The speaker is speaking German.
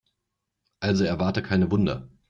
Also erwarte keine Wunder.